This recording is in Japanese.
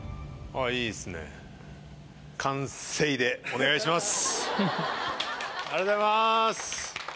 お願いします。